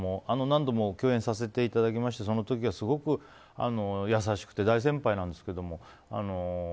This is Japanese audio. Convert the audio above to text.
何度も共演させていただきましてその時はすごく優しくて大先輩なんですけども。